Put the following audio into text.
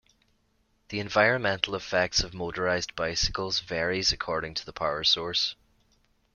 The environmental effects of motorized bicycles varies according to the power source.